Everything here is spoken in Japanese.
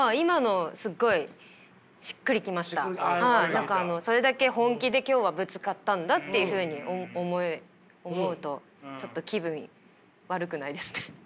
何かあのそれだけ本気で今日はぶつかったんだっていうふうに思うとちょっと気分悪くないですね。